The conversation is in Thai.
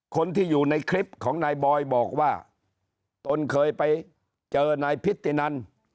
คนที่อยู่ในคลิปของนายบอยบอกว่าตนเคยไปเจอนายพิธินัน